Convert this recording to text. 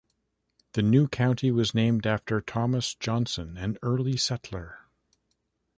The new county was named after Thomas Johnson, an early settler.